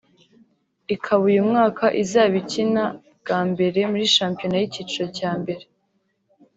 ikaba uyu mwaka izaba ikina bwa mbere muri shampiona y’icyiciro cya mbere